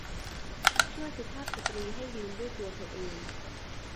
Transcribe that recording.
ช่วยสุภาพสตรีให้ยืนด้วยตัวเธอเอง